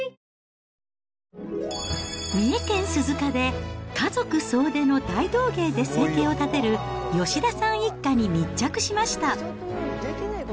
三重県鈴鹿で家族総出の大道芸で生計を立てる、吉田さん一家に密着しました。